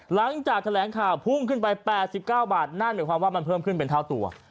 หลังจากแถลงข่าวพุ่งขึ้นไป๘๙บาทนั่นหมายความว่ามันเพิ่มขึ้นเป็นเท่าตัว